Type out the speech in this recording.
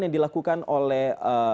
yang dilakukan oleh